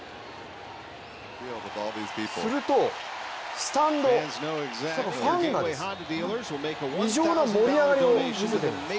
するとスタンド、ファンが異常な盛り上がりを見せてるんです。